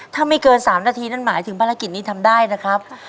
ถ้าไม่เกิน๓นาทีนั่นหมายถึงภารกิจนี้ทำได้นะครับ